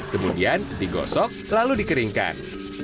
kemudian digosok lalu dikeringkan